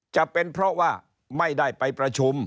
จะเป็นเพราะว่าไม่ได้ไปประชุม